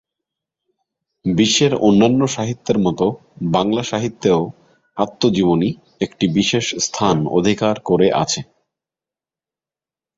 বিশ্বের অন্যান্য সাহিত্যের মতো বাংলা সাহিত্যেও আত্মজীবনী একটি বিশেষ স্থান অধিকার করে আছে।